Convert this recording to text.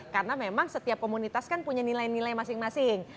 karena memang setiap komunitas kan punya nilai nilai masing masing